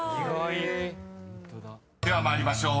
［では参りましょう。